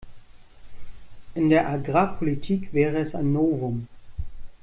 In der Agrarpolitik wäre es ein Novum.